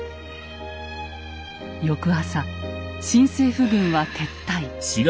翌朝新政府軍は撤退。